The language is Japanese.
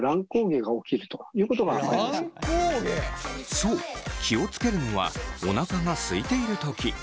そう気を付けるのはおなかがすいている時。